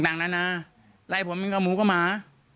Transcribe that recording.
ต่างนั้นนะไล่ผมเป็นกับหมูกับหมา